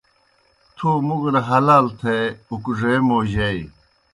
تھو مُگر حلال تھے اُکڙے موجائے۔